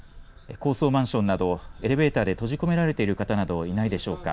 高層マンションなどエレベーターで閉じ込められている方などがいないでしょうか。